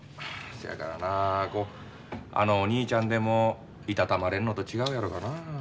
せやからなあのお兄ちゃんでも居たたまれんのと違うやろかな。